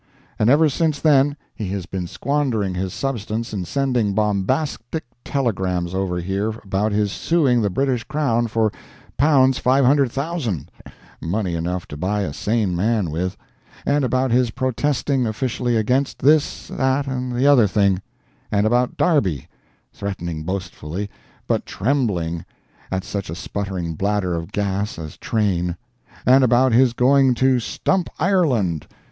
And ever since then he has been squandering his substance in sending bombastic telegrams over here about his suing the British crown for [pounds]500,000 (money enough to buy a sane man with); and about his protesting officially against this, that and the other thing; and about "Derby" threatening boastfully, but "trembling" (at such a sputtering bladder of gas as Train!); and about his going to "stump Ireland."